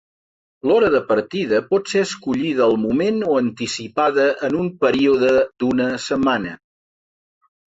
L'hora de partida pot ser escollida al moment o anticipada en un període d'una setmana.